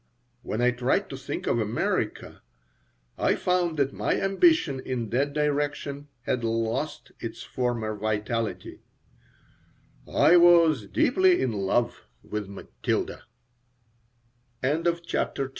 When I tried to think of America I found that my ambition in that direction had lost its former vitality I was deeply in love with Matilda CHAPTER III SHE con